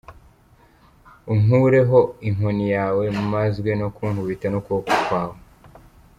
Unkureho inkoni yawe, Mazwe no gukubitwa n’ukuboko kwawe.